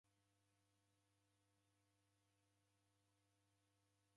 W'okoni dalimagha kizenya